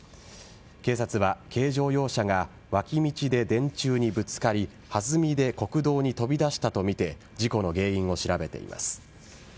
警察は軽乗用車が脇道で電柱にぶつかり弾みで国道に飛び出したとみて事故の原因を調べています。